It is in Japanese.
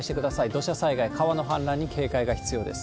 土砂災害、川の氾濫に警戒が必要です。